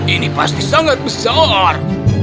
ini pasti sangat besar